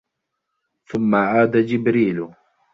ثُمَّ عَادَ جِبْرِيلُ